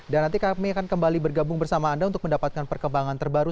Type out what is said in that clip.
dan nanti kami akan kembali bergabung bersama anda untuk mendapatkan perkembangan terbaru